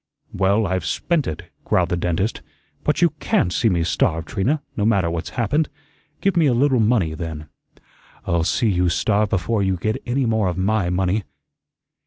"Well, I've spent it," growled the dentist. "But you CAN'T see me starve, Trina, no matter what's happened. Give me a little money, then." "I'll see you starve before you get any more of MY money."